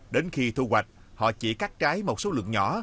đến khi thu hoạch họ chỉ cắt trái một số lượng nhỏ